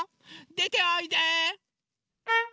でておいで！